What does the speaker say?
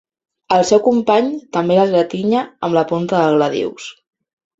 El seu company també l'esgratinya amb la punta del gladius.